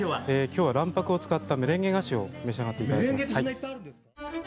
今日は卵白を使ったメレンゲ菓子を召し上がって頂きます。